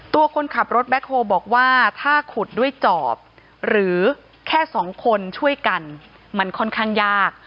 คนขับรถแบ็คโฮบอกว่าถ้าขุดด้วยจอบหรือแค่สองคนช่วยกันมันค่อนข้างยาก